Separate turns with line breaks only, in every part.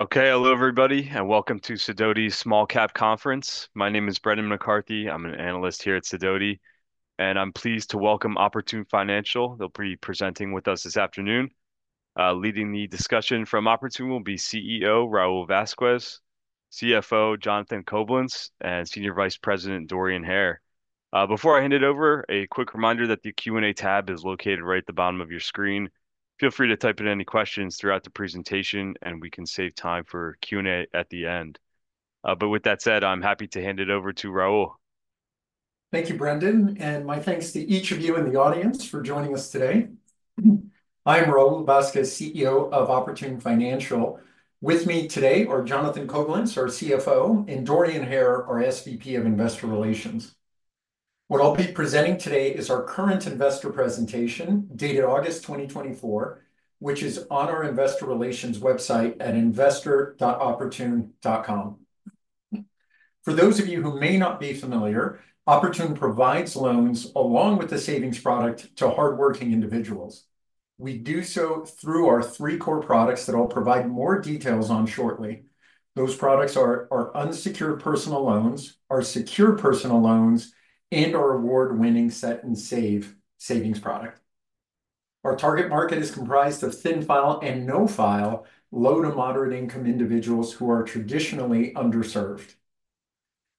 Okay. Hello, everybody, and welcome to Sidoti Small Cap Conference. My name is Brendan McCarthy. I'm an analyst here at Sidoti, and I'm pleased to welcome Oportun Financial. They'll be presenting with us this afternoon. Leading the discussion from Oportun will be CEO Raul Vazquez, CFO Jonathan Coblentz, and Senior Vice President Dorian Hare. Before I hand it over, a quick reminder that the Q&A tab is located right at the bottom of your screen. Feel free to type in any questions throughout the presentation, and we can save time for Q&A at the end. But with that said, I'm happy to hand it over to Raul.
Thank you, Brendan, and my thanks to each of you in the audience for joining us today. I'm Raul Vazquez, CEO of Oportun Financial. With me today are Jonathan Coblentz, our CFO, and Dorian Hare, our SVP of Investor Relations. What I'll be presenting today is our current investor presentation, dated August twenty twenty-four, which is on our investor relations website at investor.oportun.com. For those of you who may not be familiar, Oportun provides loans, along with a savings product, to hardworking individuals. We do so through our three core products that I'll provide more details on shortly. Those products are our unsecured personal loans, our secured personal loans, and our award-winning Set & Save savings product. Our target market is comprised of thin-file and no-file, low- to moderate-income individuals who are traditionally underserved.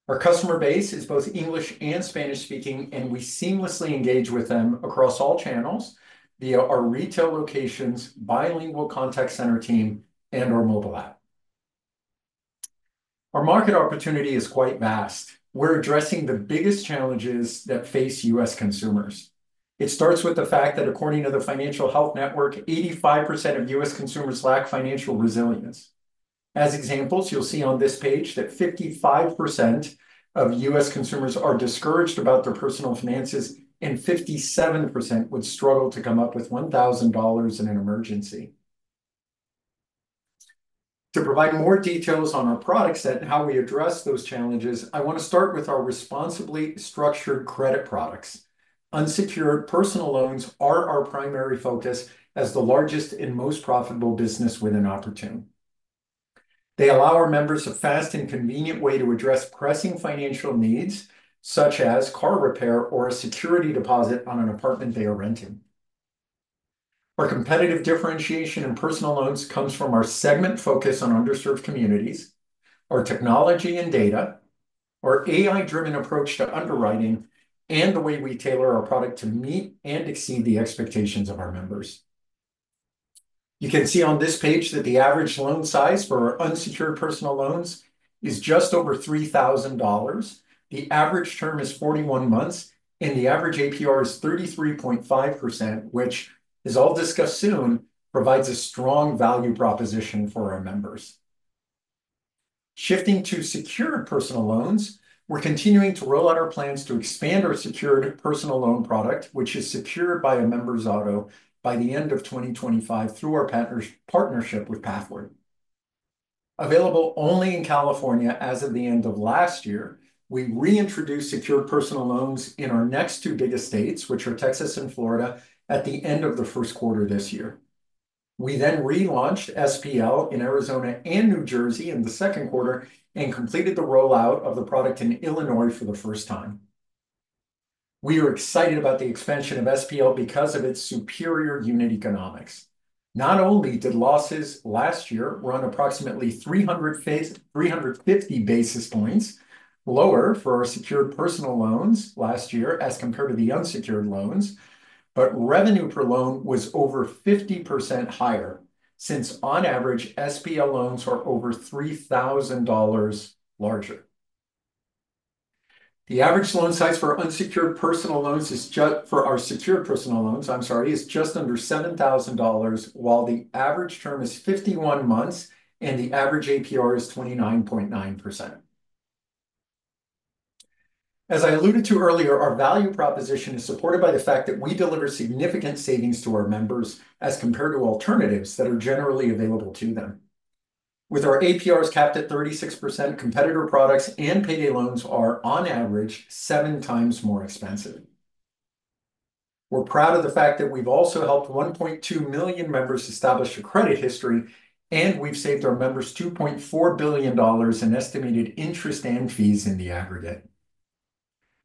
Our customer base is both English and Spanish-speaking, and we seamlessly engage with them across all channels via our retail locations, bilingual contact center team, and our mobile app. Our market opportunity is quite vast. We're addressing the biggest challenges that face U.S. consumers. It starts with the fact that, according to the Financial Health Network, 85% of U.S. consumers lack financial resilience. As examples, you'll see on this page that 55% of U.S. consumers are discouraged about their personal finances, and 57% would struggle to come up with $1,000 in an emergency. To provide more details on our products and how we address those challenges, I want to start with our responsibly structured credit products. Unsecured personal loans are our primary focus as the largest and most profitable business within Oportun. They allow our members a fast and convenient way to address pressing financial needs, such as car repair or a security deposit on an apartment they are renting. Our competitive differentiation in personal loans comes from our segment focus on underserved communities, our technology and data, our AI-driven approach to underwriting, and the way we tailor our product to meet and exceed the expectations of our members. You can see on this page that the average loan size for our unsecured personal loans is just over $3,000. The average term is 41 months, and the average APR is 33.5%, which, as I'll discuss soon, provides a strong value proposition for our members. Shifting to secured personal loans, we're continuing to roll out our plans to expand our secured personal loan product, which is secured by a member's auto, by the end of twenty twenty-five through our partnership with Pathward. Available only in California as of the end of last year, we reintroduced secured personal loans in our next two biggest states, which are Texas and Florida, at the end of the first quarter this year. We then relaunched SPL in Arizona and New Jersey in the second quarter and completed the rollout of the product in Illinois for the first time. We are excited about the expansion of SPL because of its superior unit economics. Not only did losses last year run approximately 350 basis points lower for our secured personal loans last year as compared to the unsecured loans, but revenue per loan was over 50% higher, since, on average, SPL loans are over $3,000 larger. The average loan size for unsecured personal loans is just—for our secured personal loans, I'm sorry, is just under $7,000, while the average term is 51 months, and the average APR is 29.9%. As I alluded to earlier, our value proposition is supported by the fact that we deliver significant savings to our members as compared to alternatives that are generally available to them. With our APRs capped at 36%, competitor products and payday loans are, on average, seven times more expensive. We're proud of the fact that we've also helped 1.2 million members establish a credit history, and we've saved our members $2.4 billion in estimated interest and fees in the aggregate.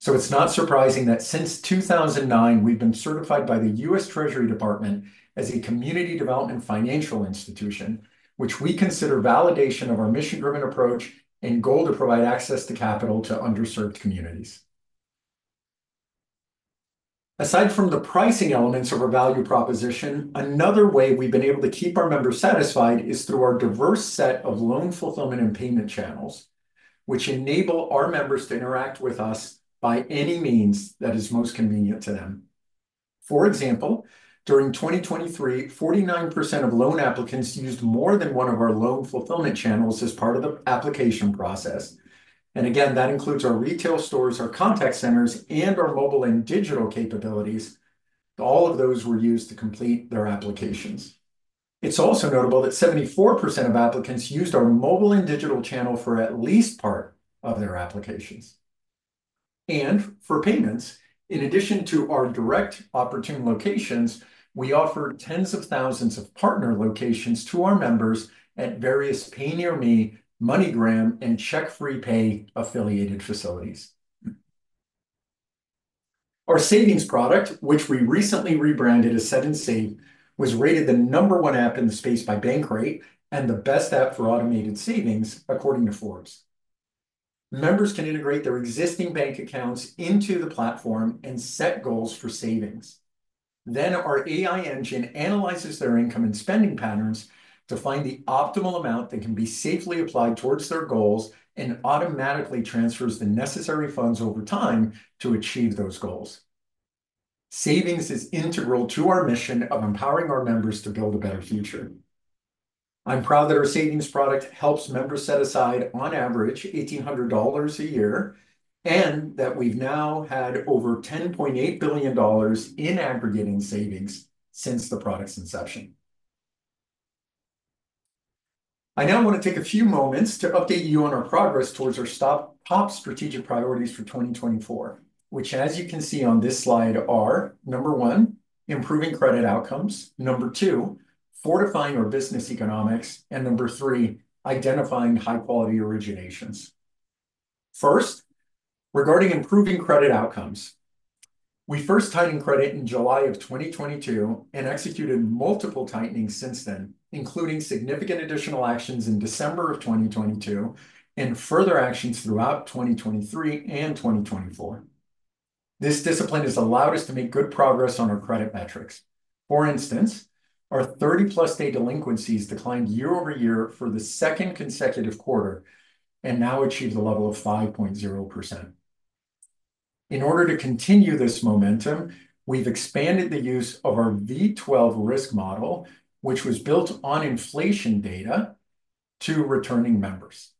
It's not surprising that since 2009, we've been certified by the U.S. Treasury Department as a Community Development Financial Institution, which we consider validation of our mission-driven approach and goal to provide access to capital to underserved communities. Aside from the pricing elements of our value proposition, another way we've been able to keep our members satisfied is through our diverse set of loan fulfillment and payment channels, which enable our members to interact with us by any means that is most convenient to them. For example, during 2023, 49% of loan applicants used more than one of our loan fulfillment channels as part of the application process, and again, that includes our retail stores, our contact centers, and our mobile and digital capabilities. All of those were used to complete their applications. It's also notable that 74% of applicants used our mobile and digital channel for at least part of their applications. For payments, in addition to our direct Oportun locations, we offer tens of thousands of partner locations to our members at various PayNearMe, MoneyGram, and CheckFreePay affiliated facilities. Our savings product, which we recently rebranded as Set Save, was rated the number one app in the space by Bankrate and the best app for automated savings, according to Forbes. Members can integrate their existing bank accounts into the platform and set goals for savings. Then our AI engine analyzes their income and spending patterns to find the optimal amount that can be safely applied towards their goals and automatically transfers the necessary funds over time to achieve those goals. Savings is integral to our mission of empowering our members to build a better future. I'm proud that our savings product helps members set aside, on average, $1,800 a year, and that we've now had over $10.8 billion in aggregate savings since the product's inception. I now want to take a few moments to update you on our progress towards our top strategic priorities for 2024, which, as you can see on this slide, are, number one, improving credit outcomes, number two, fortifying our business economics, and number three, identifying high-quality originations. First, regarding improving credit outcomes. We first tightened credit in July of twenty twenty-two and executed multiple tightenings since then, including significant additional actions in December of twenty twenty-two and further actions throughout twenty twenty-three and twenty twenty-four. This discipline has allowed us to make good progress on our credit metrics. For instance, our 30-plus day delinquencies declined year over year for the second consecutive quarter and now achieve the level of 5.0%. In order to continue this momentum, we've expanded the use of our V12 risk model, which was built on inflation data, to returning members.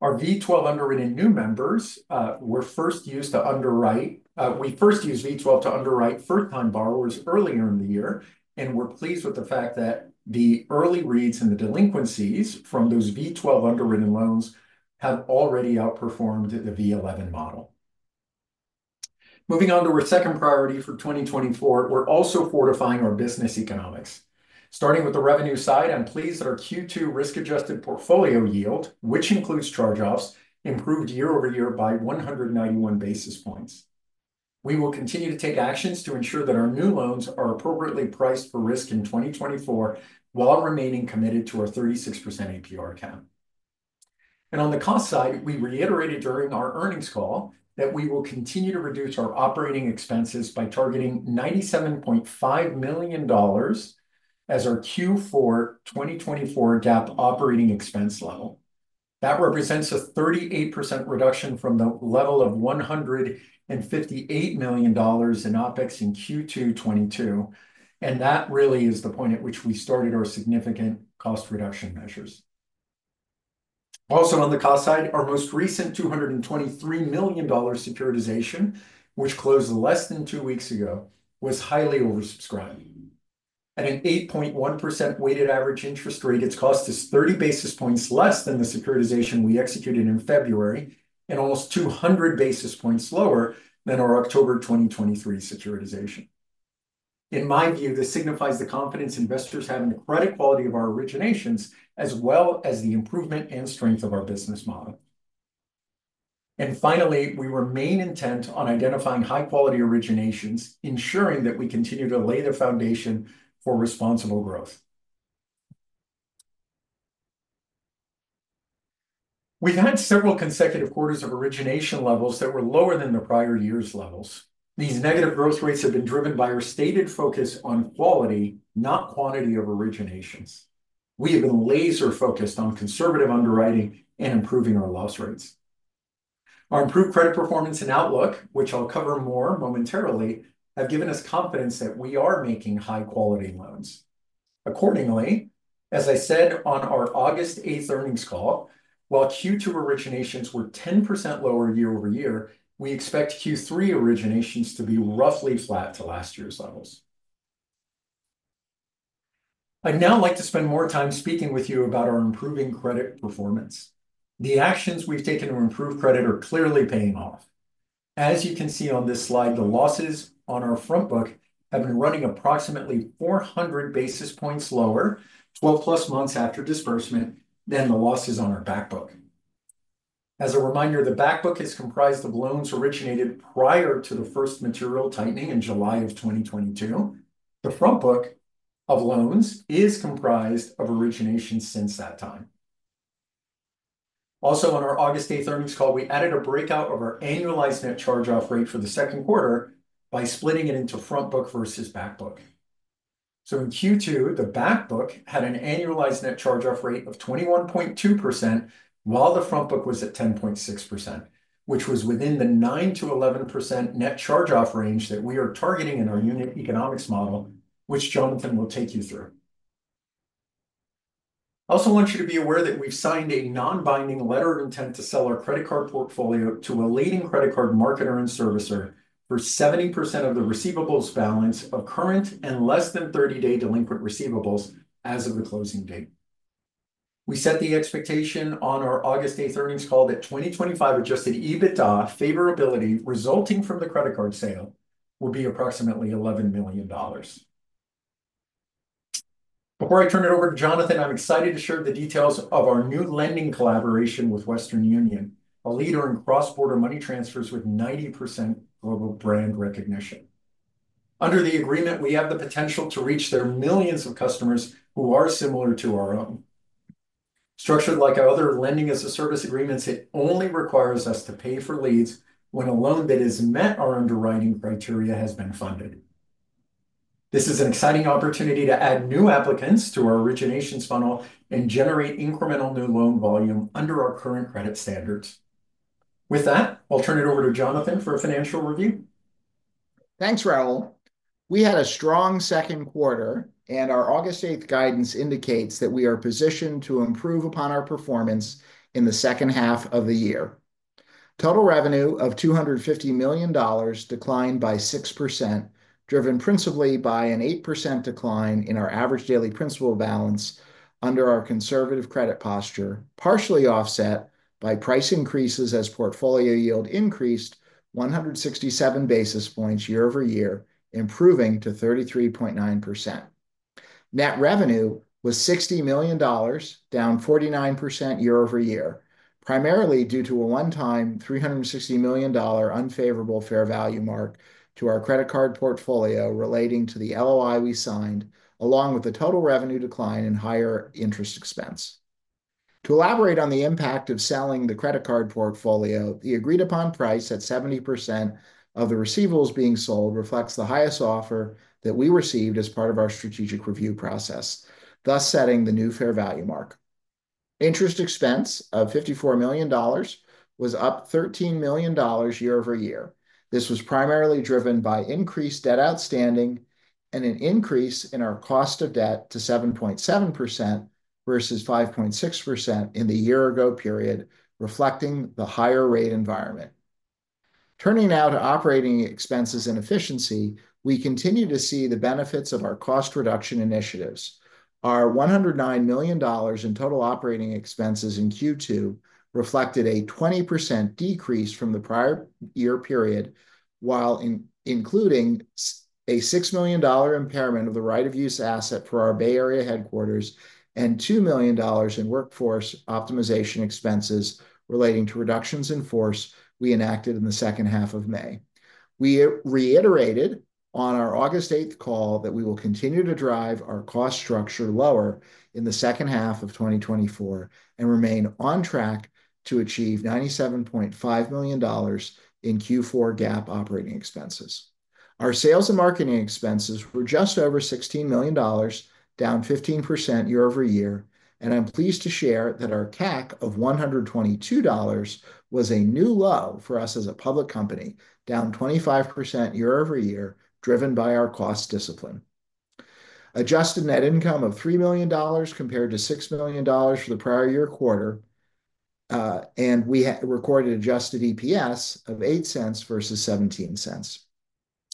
We first used V12 to underwrite first-time borrowers earlier in the year, and we're pleased with the fact that the early reads and the delinquencies from those V12 underwritten loans have already outperformed the V11 model. Moving on to our second priority for 2024, we're also fortifying our business economics. Starting with the revenue side, I'm pleased that our Q2 risk-adjusted portfolio yield, which includes charge-offs, improved year over year by 191 basis points. We will continue to take actions to ensure that our new loans are appropriately priced for risk in 2024, while remaining committed to our 36% APR cap, and on the cost side, we reiterated during our earnings call that we will continue to reduce our operating expenses by targeting $97.5 million as our Q4 2024 GAAP operating expense level. That represents a 38% reduction from the level of $158 million in OpEx in Q2 2022, and that really is the point at which we started our significant cost reduction measures. Also, on the cost side, our most recent $223 million securitization, which closed less than two weeks ago, was highly oversubscribed. At an 8.1% weighted average interest rate, its cost is 30 basis points less than the securitization we executed in February, and almost 200 basis points lower than our October 2023 securitization. In my view, this signifies the confidence investors have in the credit quality of our originations, as well as the improvement and strength of our business model. And finally, we remain intent on identifying high-quality originations, ensuring that we continue to lay the foundation for responsible growth. We've had several consecutive quarters of origination levels that were lower than the prior year's levels. These negative growth rates have been driven by our stated focus on quality, not quantity of originations. We have been laser-focused on conservative underwriting and improving our loss rates. Our improved credit performance and outlook, which I'll cover more momentarily, have given us confidence that we are making high-quality loans. Accordingly, as I said on our August eighth earnings call, while Q2 originations were 10% lower year over year, we expect Q3 originations to be roughly flat to last year's levels. I'd now like to spend more time speaking with you about our improving credit performance. The actions we've taken to improve credit are clearly paying off. As you can see on this slide, the losses on our front book have been running approximately 400 basis points lower, 12-plus months after disbursement than the losses on our back book. As a reminder, the back book is comprised of loans originated prior to the first material tightening in July of 2022. The front book of loans is comprised of originations since that time. Also, on our August 8 earnings call, we added a breakout of our annualized net charge-off rate for the second quarter by splitting it into front book versus back book. So in Q2, the back book had an annualized net charge-off rate of 21.2%, while the front book was at 10.6%, which was within the 9%-11% net charge-off range that we are targeting in our unit economics model, which Jonathan will take you through. I also want you to be aware that we've signed a non-binding letter of intent to sell our credit card portfolio to a leading credit card marketer and servicer for 70% of the receivables balance of current and less than 30-day delinquent receivables as of the closing date. We set the expectation on our August 8 earnings call that 2025 Adjusted EBITDA favorability resulting from the credit card sale will be approximately $11 million. Before I turn it over to Jonathan, I'm excited to share the details of our new lending collaboration with Western Union, a leader in cross-border money transfers with 90% global brand recognition. Under the agreement, we have the potential to reach their millions of customers who are similar to our own. Structured like our other lending-as-a-service agreements, it only requires us to pay for leads when a loan that has met our underwriting criteria has been funded. This is an exciting opportunity to add new applicants to our originations funnel and generate incremental new loan volume under our current credit standards. With that, I'll turn it over to Jonathan for a financial review.
Thanks, Raul. We had a strong second quarter, and our August eighth guidance indicates that we are positioned to improve upon our performance in the second half of the year. Total revenue of $250 million declined by 6%, driven principally by an 8% decline in our average daily principal balance under our conservative credit posture, partially offset by price increases as portfolio yield increased 167 basis points year over year, improving to 33.9%. Net revenue was $60 million, down 49% year over year, primarily due to a one-time $360 million unfavorable fair value mark to our credit card portfolio relating to the LOI we signed, along with the total revenue decline and higher interest expense. To elaborate on the impact of selling the credit card portfolio, the agreed-upon price at 70% of the receivables being sold reflects the highest offer that we received as part of our strategic review process, thus setting the new fair value mark. Interest expense of $54 million was up $13 million year over year. This was primarily driven by increased debt outstanding and an increase in our cost of debt to 7.7% versus 5.6% in the year-ago period, reflecting the higher rate environment. Turning now to operating expenses and efficiency, we continue to see the benefits of our cost reduction initiatives. Our $109 million in total operating expenses in Q2 reflected a 20% decrease from the prior year period, while including a $6 million impairment of the right-of-use asset for our Bay Area headquarters and $2 million in workforce optimization expenses relating to reductions in force we enacted in the second half of May. We reiterated on our August eighth call that we will continue to drive our cost structure lower in the second half of 2024, and remain on track to achieve $97.5 million in Q4 GAAP operating expenses. Our sales and marketing expenses were just over $16 million, down 15% year over year, and I'm pleased to share that our CAC of $122 was a new low for us as a public company, down 25% year over year, driven by our cost discipline. Adjusted net income of $3 million compared to $6 million for the prior year quarter, and we had recorded adjusted EPS of $0.08 versus $0.17.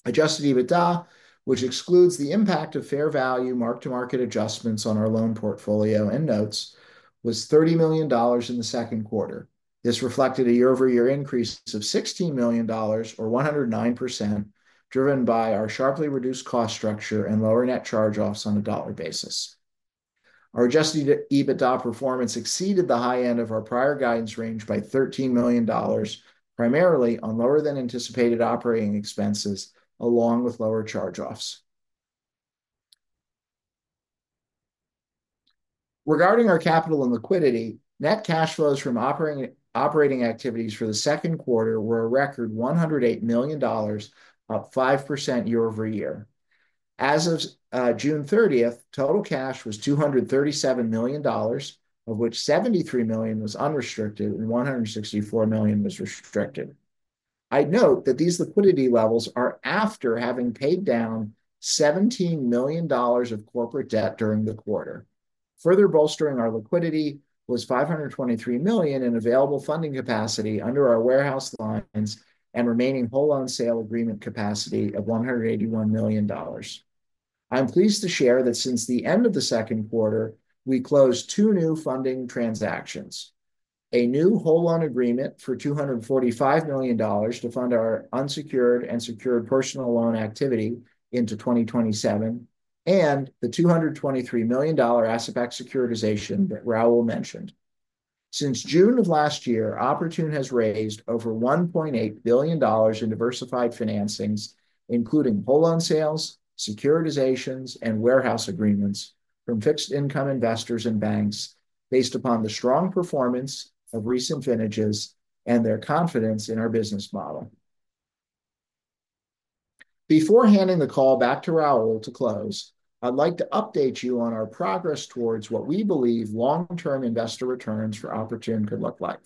Adjusted EBITDA, which excludes the impact of fair value mark-to-market adjustments on our loan portfolio and notes, was $30 million in the second quarter. This reflected a year-over-year increase of $16 million or 109%, driven by our sharply reduced cost structure and lower net charge-offs on a dollar basis. Our adjusted EBITDA performance exceeded the high end of our prior guidance range by $13 million, primarily on lower-than-anticipated operating expenses, along with lower charge-offs. Regarding our capital and liquidity, net cash flows from operating activities for the second quarter were a record $108 million, up 5% year over year. As of June thirtieth, total cash was $237 million, of which $73 million was unrestricted and $164 million was restricted. I'd note that these liquidity levels are after having paid down $17 million of corporate debt during the quarter. Further bolstering our liquidity was $523 million in available funding capacity under our warehouse lines and remaining whole loan sale agreement capacity of $181 million. I'm pleased to share that since the end of the second quarter, we closed two new funding transactions: a new whole loan agreement for $245 million to fund our unsecured and secured personal loan activity into 2027, and the $223 million asset-backed securitization that Raul mentioned. Since June of last year, Oportun has raised over $1.8 billion in diversified financings, including whole loan sales, securitizations, and warehouse agreements from fixed income investors and banks, based upon the strong performance of recent vintages and their confidence in our business model. Before handing the call back to Raul to close, I'd like to update you on our progress towards what we believe long-term investor returns for Oportun could look like.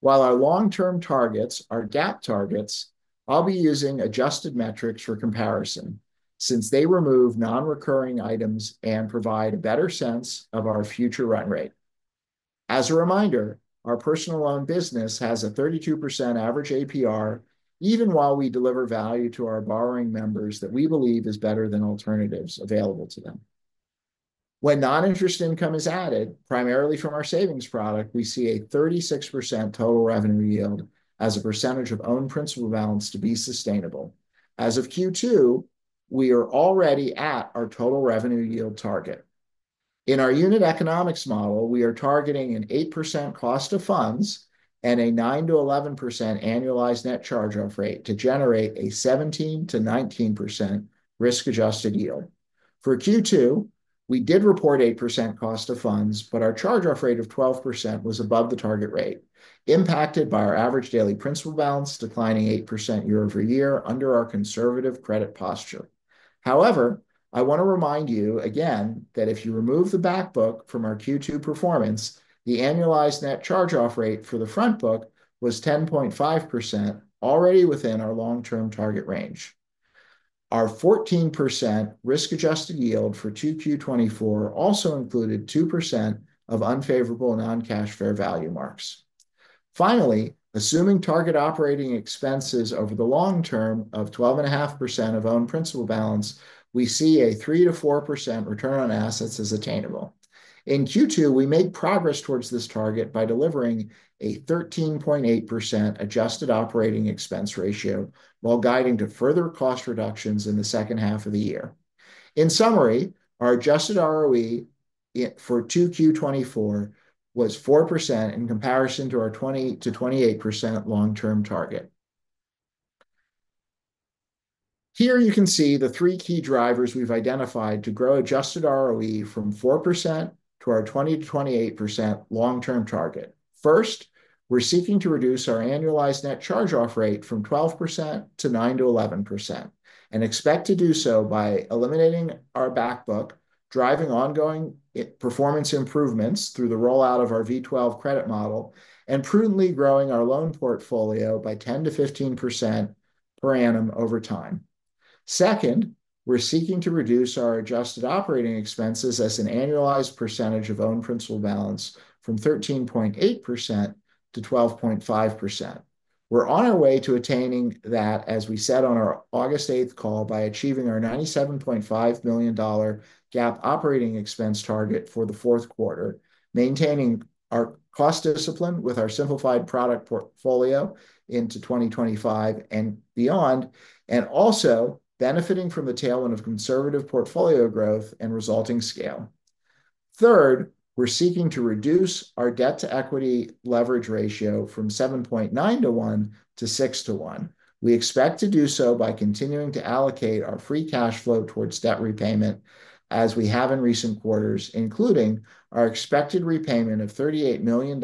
While our long-term targets are GAAP targets, I'll be using adjusted metrics for comparison, since they remove non-recurring items and provide a better sense of our future run rate. As a reminder, our personal loan business has a 32% average APR, even while we deliver value to our borrowing members that we believe is better than alternatives available to them. When non-interest income is added, primarily from our savings product, we see a 36% total revenue yield as a percentage of own principal balance to be sustainable. As of Q2, we are already at our total revenue yield target. In our unit economics model, we are targeting an 8% cost of funds and a 9%-11% annualized net charge-off rate to generate a 17%-19% risk-adjusted yield. For Q2, we did report 8% cost of funds, but our charge-off rate of 12% was above the target rate, impacted by our average daily principal balance declining 8% year over year under our conservative credit posture. However, I wanna remind you again that if you remove the back book from our Q2 performance, the annualized net charge-off rate for the front book was 10.5%, already within our long-term target range. Our 14% risk-adjusted yield for 2Q '24 also included 2% of unfavorable non-cash fair value marks. Finally, assuming target operating expenses over the long term of 12.5% of own principal balance, we see a 3%-4% return on assets as attainable. In Q2, we made progress towards this target by delivering a 13.8% adjusted operating expense ratio, while guiding to further cost reductions in the second half of the year. In summary, our adjusted ROE for 2Q 2024 was 4% in comparison to our 20%-28% long-term target. Here you can see the three key drivers we've identified to grow adjusted ROE from 4% to our 20%-28% long-term target. First, we're seeking to reduce our annualized net charge-off rate from 12% to 9%-11%, and expect to do so by eliminating our back book, driving ongoing performance improvements through the rollout of our V12 credit model, and prudently growing our loan portfolio by 10%-15% per annum over time. Second, we're seeking to reduce our adjusted operating expenses as an annualized percentage of own principal balance from 13.8% to 12.5%. We're on our way to attaining that, as we said on our August 8 call, by achieving our $97.5 million GAAP operating expense target for the fourth quarter, maintaining our cost discipline with our simplified product portfolio into 2025 and beyond, and also benefiting from the tailwind of conservative portfolio growth and resulting scale. Third, we're seeking to reduce our debt-to-equity leverage ratio from 7.9-to-1 to 6-to-1. We expect to do so by continuing to allocate our free cash flow towards debt repayment, as we have in recent quarters, including our expected repayment of $38 million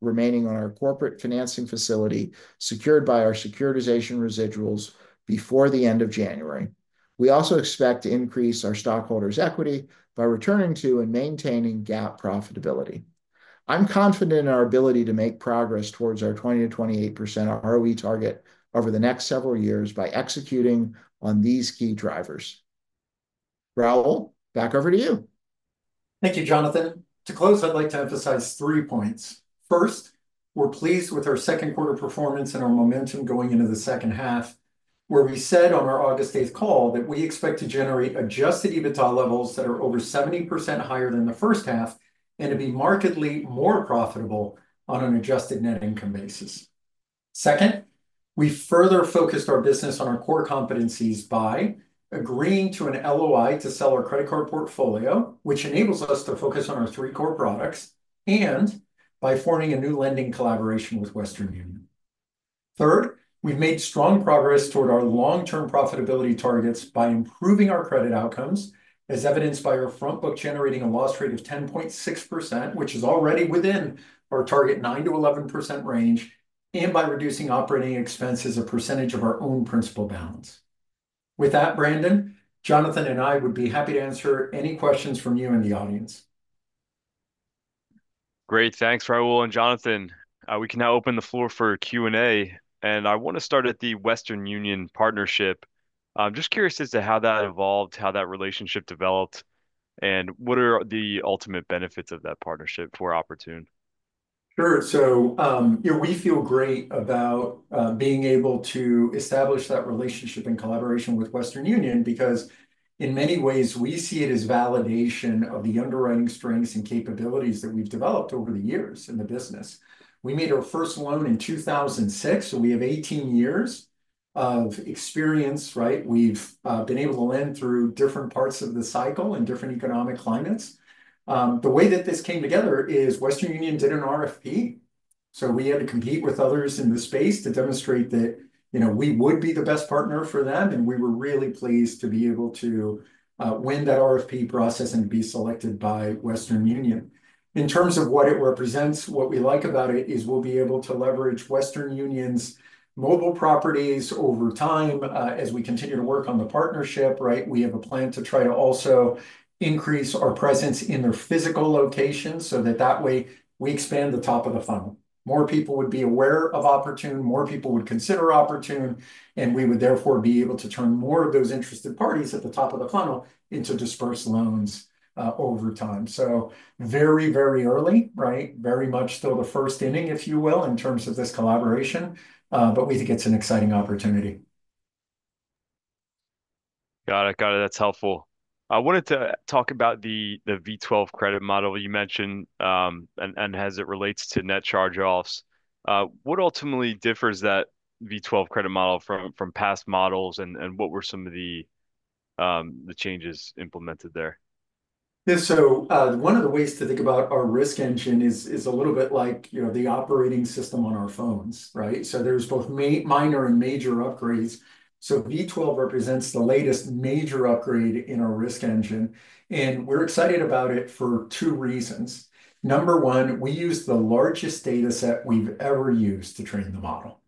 remaining on our corporate financing facility, secured by our securitization residuals, before the end of January. We also expect to increase our stockholders' equity by returning to and maintaining GAAP profitability. I'm confident in our ability to make progress towards our 20%-28% ROE target over the next several years by executing on these key drivers. Raul, back over to you.
Thank you, Jonathan. To close, I'd like to emphasize three points. First, we're pleased with our second quarter performance and our momentum going into the second half, where we said on our August eighth call that we expect to generate Adjusted EBITDA levels that are over 70% higher than the first half, and to be markedly more profitable on an adjusted net income basis. Second, we further focused our business on our core competencies by agreeing to an LOI to sell our credit card portfolio, which enables us to focus on our three core products, and by forming a new lending collaboration with Western Union. Third, we've made strong progress toward our long-term profitability targets by improving our credit outcomes, as evidenced by our front book generating a loss rate of 10.6%, which is already within our target 9%-11% range, and by reducing operating expenses a percentage of our own principal balance. With that, Brendan, Jonathan and I would be happy to answer any questions from you and the audience. Great. Thanks, Raul and Jonathan. We can now open the floor for Q&A, and I wanna start at the Western Union partnership. I'm just curious as to how that evolved, how that relationship developed, and what are the ultimate benefits of that partnership for Oportun? Sure. So, you know, we feel great about being able to establish that relationship and collaboration with Western Union, because in many ways, we see it as validation of the underwriting strengths and capabilities that we've developed over the years in the business. We made our first loan in 2006, so we have eighteen years of experience, right? We've been able to lend through different parts of the cycle and different economic climates. The way that this came together is Western Union did an RFP, so we had to compete with others in the space to demonstrate that, you know, we would be the best partner for them, and we were really pleased to be able to win that RFP process and be selected by Western Union. In terms of what it represents, what we like about it is we'll be able to leverage Western Union's mobile properties over time, as we continue to work on the partnership, right? We have a plan to try to also increase our presence in their physical location, so that that way, we expand the top of the funnel. More people would be aware of Oportun, more people would consider Oportun, and we would therefore be able to turn more of those interested parties at the top of the funnel into disbursed loans, over time, so very, very early, right? Very much still the first inning, if you will, in terms of this collaboration, but we think it's an exciting opportunity....
Got it, got it. That's helpful. I wanted to talk about the V12 credit model you mentioned, and as it relates to net charge-offs. What ultimately differs that V12 credit model from past models, and what were some of the changes implemented there?
Yeah, so, one of the ways to think about our risk engine is a little bit like, you know, the operating system on our phones, right? So there's both minor and major upgrades. So V12 represents the latest major upgrade in our risk engine, and we're excited about it for two reasons. Number one, we used the largest data set we've ever used to train the model,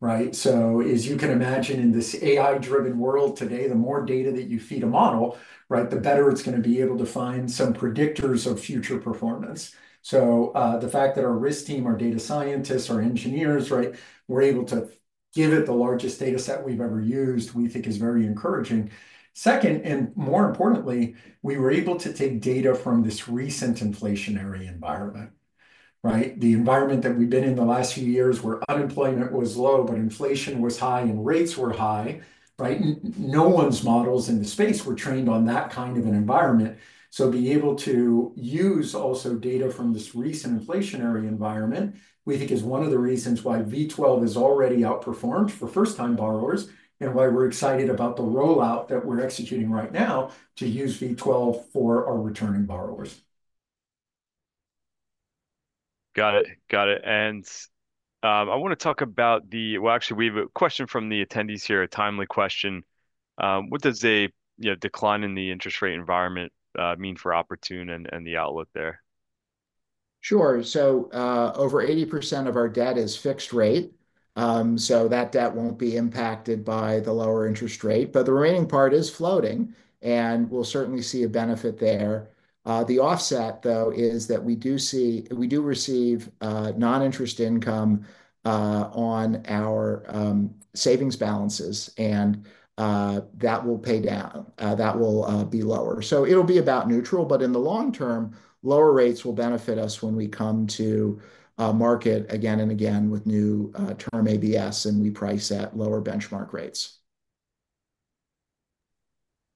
right? So as you can imagine, in this AI-driven world today, the more data that you feed a model, right, the better it's gonna be able to find some predictors of future performance. So, the fact that our risk team, our data scientists, our engineers, right, were able to give it the largest data set we've ever used, we think is very encouraging. Second, and more importantly, we were able to take data from this recent inflationary environment, right? The environment that we've been in the last few years, where unemployment was low, but inflation was high and rates were high, right? No one's models in the space were trained on that kind of an environment. So being able to use also data from this recent inflationary environment, we think is one of the reasons why V12 has already outperformed for first-time borrowers, and why we're excited about the rollout that we're executing right now to use V12 for our returning borrowers.
Got it. Got it. And I wanna talk about the... Well, actually, we have a question from the attendees here, a timely question. What does a, you know, decline in the interest rate environment mean for Oportun and the outlook there?
Sure. So, over 80% of our debt is fixed rate, so that debt won't be impacted by the lower interest rate, but the remaining part is floating, and we'll certainly see a benefit there. The offset, though, is that we do receive non-interest income on our savings balances, and that will be lower. So it'll be about neutral, but in the long term, lower rates will benefit us when we come to market again and again with new term ABS, and we price at lower benchmark rates.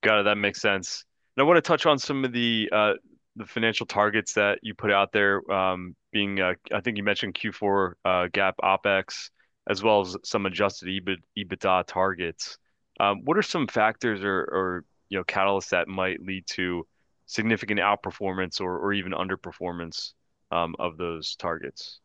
Got it. That makes sense. And I wanna touch on some of the the financial targets that you put out there, being I think you mentioned Q4 GAAP OpEx, as well as some adjusted EBIT, EBITDA targets. What are some factors or you know catalysts that might lead to significant outperformance or even underperformance of those targets?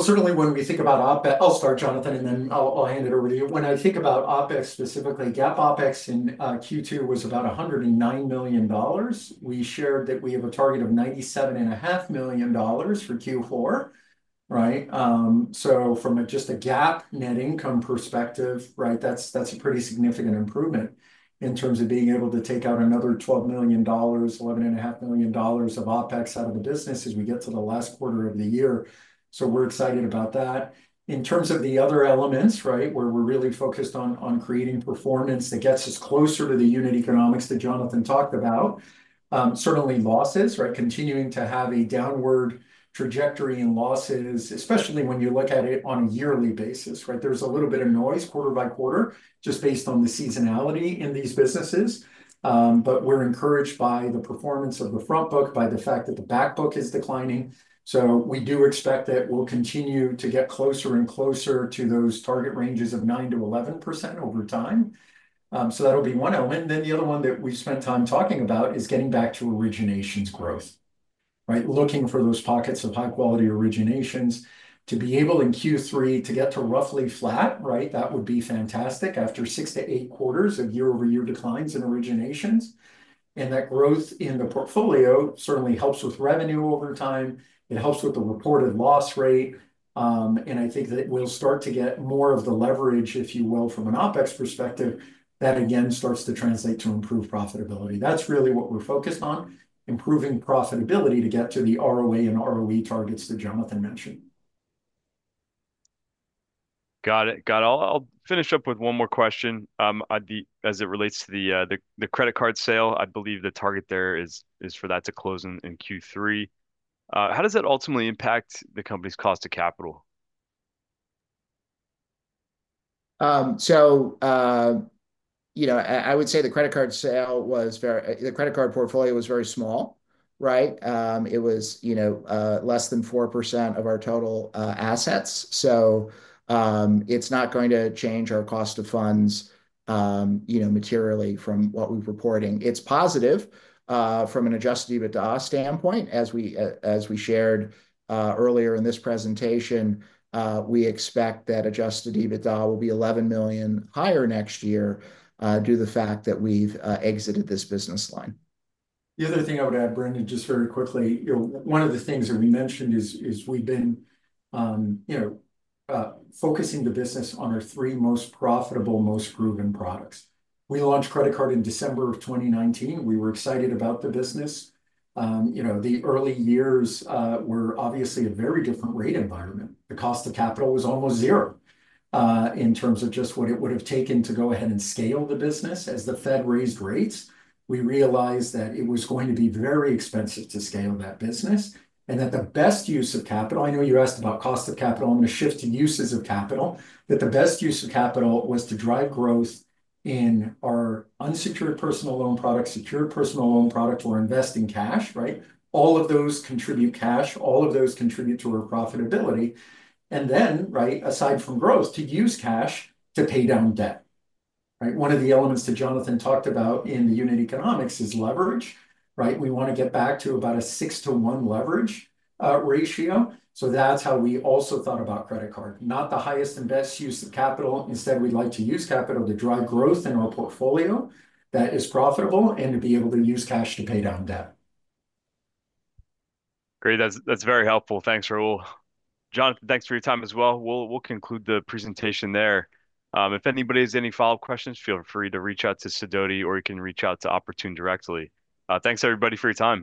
Certainly when we think about OpEx, I'll start, Jonathan, and then I'll hand it over to you. When I think about OpEx, specifically, GAAP OpEx in Q2 was about $109 million. We shared that we have a target of $97.5 million for Q4, right? So from just a GAAP net income perspective, right, that's a pretty significant improvement in terms of being able to take out another $12 million, $11.5 million of OpEx out of the business as we get to the last quarter of the year. So we're excited about that. In terms of the other elements, right, where we're really focused on creating performance that gets us closer to the unit economics that Jonathan talked about, certainly losses, right? Continuing to have a downward trajectory in losses, especially when you look at it on a yearly basis, right? There's a little bit of noise quarter by quarter, just based on the seasonality in these businesses, but we're encouraged by the performance of the front book, by the fact that the back book is declining, so we do expect that we'll continue to get closer and closer to those target ranges of 9%-11% over time, so that'll be one element, then the other one that we've spent time talking about is getting back to originations growth, right? Looking for those pockets of high-quality originations. To be able, in Q3, to get to roughly flat, right, that would be fantastic after six to eight quarters of year-over-year declines in originations. That growth in the portfolio certainly helps with revenue over time. It helps with the reported loss rate, and I think that we'll start to get more of the leverage, if you will, from an OpEx perspective that again starts to translate to improved profitability. That's really what we're focused on, improving profitability to get to the ROA and ROE targets that Jonathan mentioned.
Got it. Got it. I'll finish up with one more question. As it relates to the credit card sale, I believe the target there is for that to close in Q3. How does that ultimately impact the company's cost of capital?
You know, I would say the credit card sale was very... The credit card portfolio was very small, right? It was, you know, less than 4% of our total assets. It's not going to change our cost of funds, you know, materially from what we've reported. It's positive from an Adjusted EBITDA standpoint. As we shared earlier in this presentation, we expect that Adjusted EBITDA will be $11 million higher next year due to the fact that we've exited this business line.
The other thing I would add, Brendan, just very quickly, you know, one of the things that we mentioned is we've been, you know, focusing the business on our three most profitable, most proven products. We launched credit card in December of 2019. We were excited about the business. You know, the early years were obviously a very different rate environment. The cost of capital was almost zero, in terms of just what it would've taken to go ahead and scale the business. As the Fed raised rates, we realized that it was going to be very expensive to scale that business, and that the best use of capital... I know you asked about cost of capital and the shift in uses of capital, that the best use of capital was to drive growth in our unsecured personal loan products, secured personal loan products, or invest in cash, right? All of those contribute cash, all of those contribute to our profitability, and then, right, aside from growth, to use cash to pay down debt, right? One of the elements that Jonathan talked about in the unit economics is leverage, right? We wanna get back to about a six-to-one leverage ratio, so that's how we also thought about credit card. Not the highest and best use of capital, instead, we'd like to use capital to drive growth in our portfolio that is profitable, and to be able to use cash to pay down debt.
Great. That's very helpful. Thanks, Raul. Jonathan, thanks for your time as well. We'll conclude the presentation there. If anybody has any follow-up questions, feel free to reach out to Sidoti, or you can reach out to Oportun directly. Thanks everybody for your time.